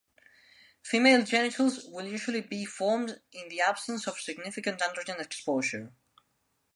Female genitals will usually be formed in the absence of significant androgen exposure.